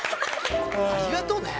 ありがとね。